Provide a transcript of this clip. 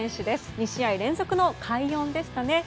２試合連続の快音でしたね。